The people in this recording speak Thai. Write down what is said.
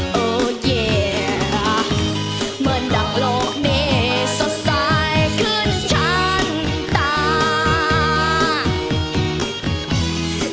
เหมือนดับโลกนี้สดสายขึ้นทันตา